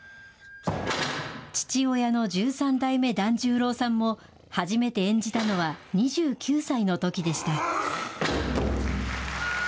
父親の十三代目團十郎さんも、初めて演じたのは２９歳のときでした。